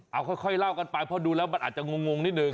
เอาค่อยเล่ากันไปเพราะดูแล้วมันอาจจะงงนิดนึง